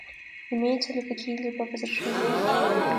Имеются ли какие-либо возражения?